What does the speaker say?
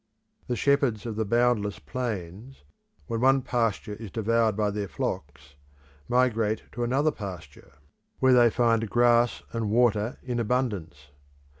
The shepherds of the boundless plains, when one pasture is devoured by their flocks, migrate to another pasture where they find grass and water in abundance.